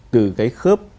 từ cái khớp